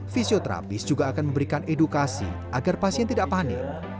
fisioterapis juga akan memberikan edukasi agar pasien tidak panik